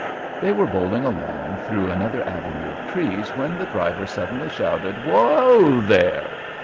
They were bowling along through another avenue of trees when the driver suddenly shouted, "Whoa there!"